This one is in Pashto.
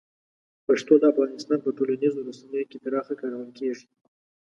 پښتو د افغانستان په ټولنیزو رسنیو کې پراخه کارول کېږي.